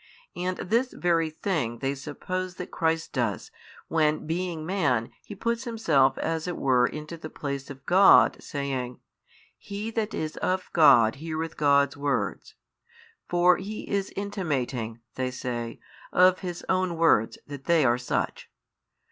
And this very thing they suppose that Christ does, when being man He puts Himself as it were into the place of God saying, He that is of God heareth God's words: for He is intimating (they say) of His own words that they are such.